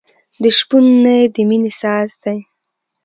د شپون نی د مینې ساز دی.